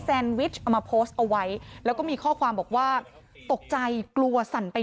แซนวิชเอามาโพสต์เอาไว้แล้วก็มีข้อความบอกว่าตกใจกลัวสั่นไป